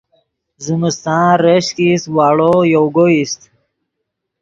زمستان ریشک ایست واڑو یوگو ایست